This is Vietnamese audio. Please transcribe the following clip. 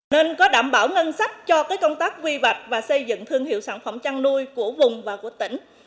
nên có đảm bảo ngân sách cho công tác vi vạch và xây dựng thương hiệu sản phẩm chăn nuôi của vùng và của tỉnh